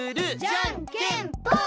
じゃんけんぽん！